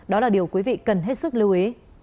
đó là điều quý vị cần hết sức lưu ý